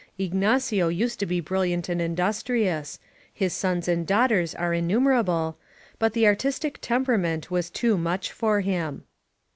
Ignacio used to be brilliant and industrious — ^his sons and daughters are innumerable — ^but the artistic temperfi^ ment was too much for him.